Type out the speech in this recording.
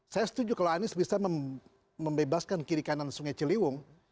saya setuju kalau anies bisa membebaskan kiri kanan sungai ciliwung